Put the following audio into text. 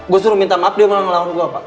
gue suruh minta maaf dia mau ngelawan gue pak